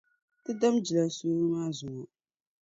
Ti dami jilansooro maa zuŋɔ.